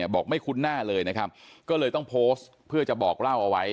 บอกไม่คุ้นหน้าเลยนะครับก็เลยต้องโพสต์เพื่อจะบอกเล่าเอาไว้